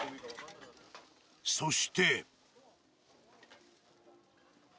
そして。